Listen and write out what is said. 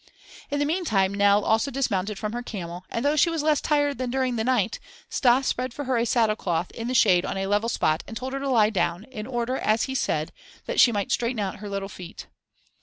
In the meantime Nell also dismounted from her camel, and though she was less tired than during the night, Stas spread for her a saddle cloth in the shade on a level spot and told her to lie down, in order, as he said, that she might straighten out her little feet.